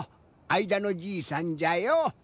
あいだのじいさんじゃよ。